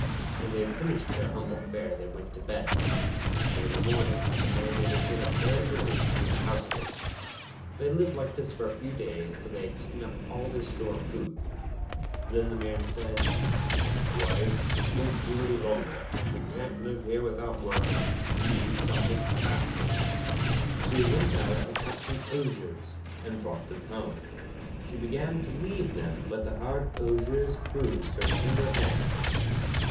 When they had finished their humble fare, they went to bed. But in the morning the Man made her get up very early to do the housework. They lived like this for a few days, till they had eaten up all their store of food. Then the Man said: 'Wife, this won't do any longer; we can't live here without working. You shall make baskets.' So he went out and cut some osiers, and brought them home. She began to weave them, but the hard osiers bruised her tender hands.